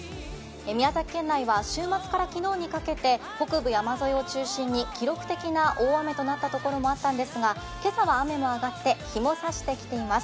宮崎県内は週末から今日にかけて北部山沿いを中心に、記録的な大雨となったところもあったんですが、今朝は雨も上がって、日も差してきています。